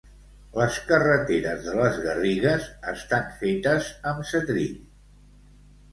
Les carreteres de les Garrigues estan fetes amb setrill.